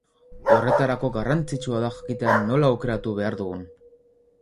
Horretarako garrantzitsua da jakitea nola aukeratu behar dugun.